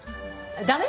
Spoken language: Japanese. ダメ？